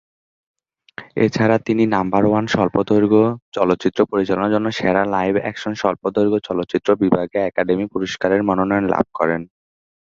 এছাড়া তিনি "number one" স্বল্পদৈর্ঘ্য চলচ্চিত্র পরিচালনার জন্য সেরা লাইভ অ্যাকশন স্বল্পদৈর্ঘ্য চলচ্চিত্র বিভাগে একাডেমি পুরস্কারের মনোনয়ন লাভ করেন।